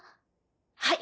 はい。